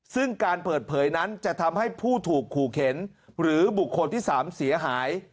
ซึ่งการเปิดเผยนั้นจะทำให้ผู้ถูกขู่เข็นหรือบุคคลที่๓เสียหาย